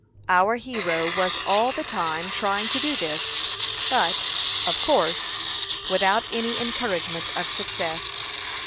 Our hero was all the time trying to do this, but, of course, without any encouragement of success.